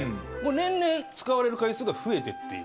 年々使われる回数が増えていっている。